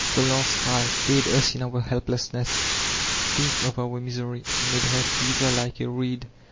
The last cry, "Aid us in our helplessness ; think of our misery," made her quiver like a reed.